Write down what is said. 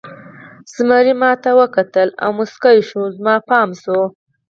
زمري ما ته وکتل او موسکی شو، زما پام شو.